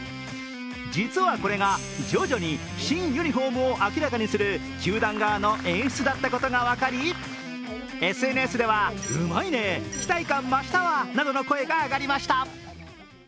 実はこれが徐々に新ユニフォームを明らかにする球団側の演出だったことが分かりＳＮＳではうまいね、期待感増したわなどの声が上がりました。